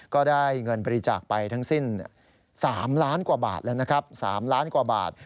ก็ได้เงินบริจาคไปทั้งสิ้น๓ล้านกว่าบาท